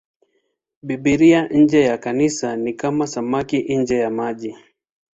Biblia nje ya Kanisa ni kama samaki nje ya maji.